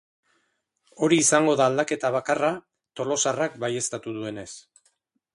Hori izango da aldaketa bakarra tolosarrak baieztatu duenez.